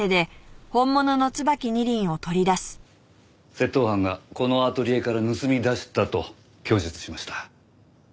窃盗犯がこのアトリエから盗み出したと供述しました。